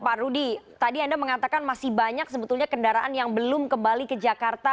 pak rudy tadi anda mengatakan masih banyak sebetulnya kendaraan yang belum kembali ke jakarta